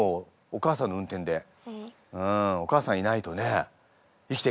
お母さんいないとね生きていけないね。